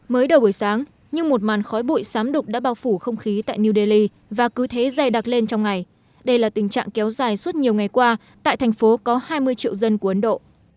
mới đầu buổi sáng như một màn khói bụi sám đục đã bao phủ không khí tại new delhi và cứ thế dày đặc lên trong ngày đây là tình trạng kéo dài suốt nhiều ngày qua tại thành phố có hai mươi triệu dân của ấn độ